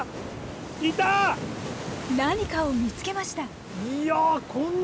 何かを見つけました。